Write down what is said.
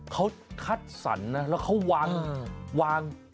เขาคัดสรรนะแล้วเขาวางวาง